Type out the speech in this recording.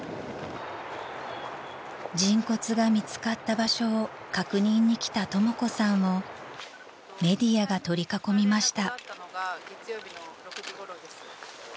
［人骨が見つかった場所を確認に来たとも子さんをメディアが取り囲みました］